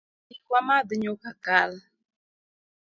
Bi wamadh nyuka kal